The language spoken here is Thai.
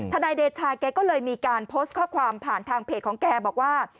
นายเดชาแกก็เลยมีการโพสต์ข้อความผ่านทางเพจของแกบอกว่า